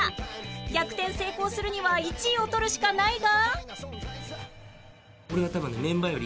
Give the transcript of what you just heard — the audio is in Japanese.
逆転成功するには１位を取るしかないが